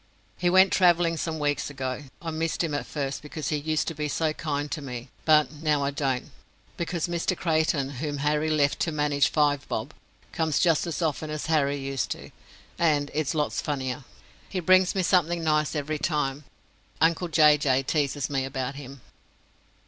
He went travelling some weeks ago. I missed him at first because he used to be so kind to me; but now I don't, because Mr Creyton, whom Harry left to manage Five Bob, comes just as often as Harry used to, and is lots funnier. He brings me something nice every time. Uncle Jay Jay teases me about him.